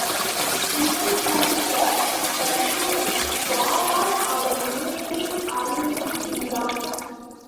இடைபுகுந்த இலக்குவன் வாளால் அவள் மூக்கை அரிந்து விடுகிறான்.